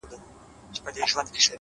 چي د وجود له آخرې رگه وتلي شراب;